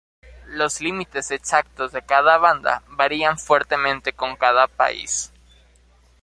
Los límites exactos de cada banda varían fuertemente con cada país.